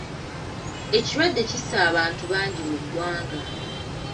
Ekirwadde kisse abantu bangi mu ggwanga.